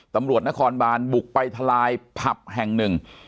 ตำรวจนครบานบุกไปทลายผับแห่งหนึ่ง